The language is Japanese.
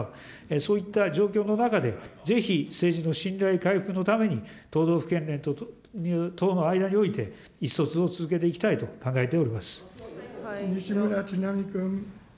そういった状況の中で、ぜひ政治の信頼回復のために、都道府県連と党の間において意思疎通を続けていきたいと考えてお西村智奈美君。